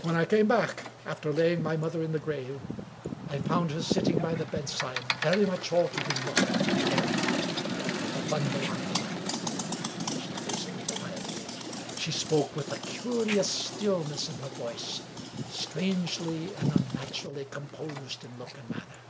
When I came back, after laying my mother in the grave, I found her sitting by the bedside, very much altered in look and bearing, with a bundle on her lap. She faced me quietly; she spoke with a curious stillness in her voice — ^strangely and unnaturally composed in look and manner.